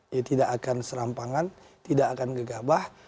ya tidak akan serampangan tidak akan gegabah